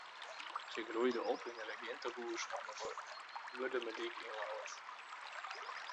Se groeide op yn in regintehûs oan de Wurdumerdyk yn Ljouwert.